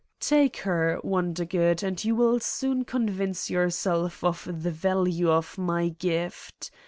Take her, "Wondergood, and you will soon convince yourself of the value of my gift.